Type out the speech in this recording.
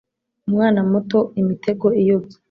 umwana muto, imitego iyobya